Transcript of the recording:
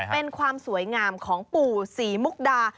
เป็นความสวยงามของปู่ศรีมุกดา